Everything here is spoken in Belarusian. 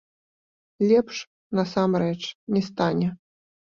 Лепш, насамрэч, не стане.